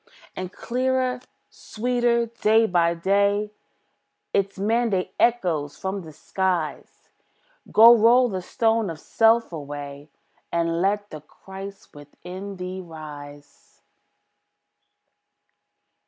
And clearer, sweeter, day by day, Its mandate echoes from the skies, "Go roll the stone of self away, And let the Christ within thee rise."